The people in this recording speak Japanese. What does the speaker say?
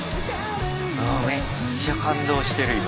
うんめっちゃ感動してる今！